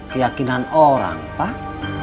keyakinan orang pak